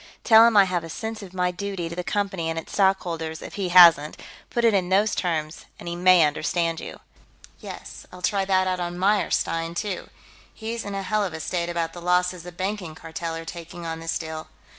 Tell him I have a sense of my duty to the Company and its stockholders, if he hasn't; put it in those terms and he may understand you." "Yes, I'll try that out on Meyerstein, too. He's in a hell of a state about the losses the Banking Cartel are taking on this deal....